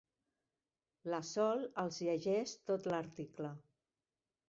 La Sol els llegeix tot l'article.